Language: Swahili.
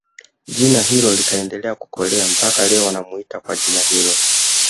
Jina hilo likaendelea kukolea mpaka leo wanaitwa kwa jina hilo